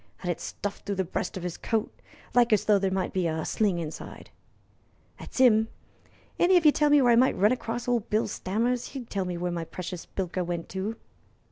Had it stuffed through the breast of his coat, like as though there might be a sling inside." "That's 'im. Any of ye tell me where I might run across old Bill Stammers? He'll tell me where my precious bilker went to."